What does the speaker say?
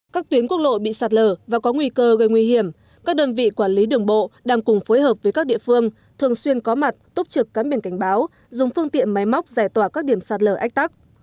các tuyến quốc lộ bị sạt lở và có nguy cơ gây nguy hiểm các đơn vị quản lý đường bộ đang cùng phối hợp với các địa phương thường xuyên có mặt túc trực cắm biển cảnh báo dùng phương tiện máy móc giải tỏa các điểm sạt lở ách tắc